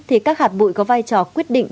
thì các hạt bụi có vai trò quyết định